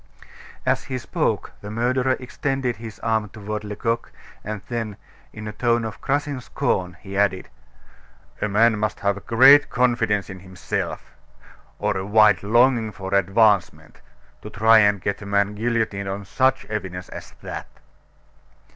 As he spoke, the murderer extended his arm toward Lecoq, and then, in a tone of crushing scorn, he added: "A man must have great confidence in himself, or a wild longing for advancement, to try and get a man guillotined on such evidence as that!"